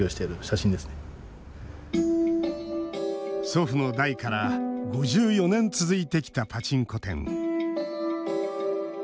祖父の代から５４年続いてきたパチンコ店。